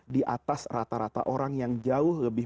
diatas rata rata orang yang jauh lebih